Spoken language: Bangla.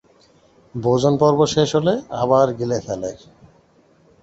ভোজনপর্ব শেষ হলে আবার গিলে ফেলে।